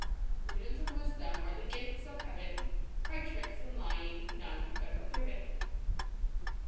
Prudence and wisdom are the gifts of Heaven ; By tricks and lying none have ever thriven.